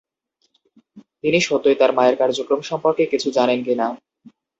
তিনি সত্যই তার মায়ের কার্যক্রম সম্পর্কে কিছু জানেন কিনা।